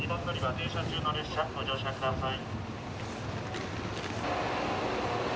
停車中の列車ご乗車下さい。